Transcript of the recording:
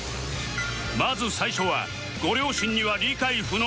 まず最初はご両親には理解不能！